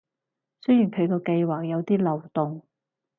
雖然佢嘅計畫有啲漏洞